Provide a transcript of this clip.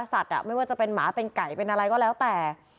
สัตว์ไม่ว่าจะเป็นหมาเป็นไก่เป็นอะไรก็แล้วแต่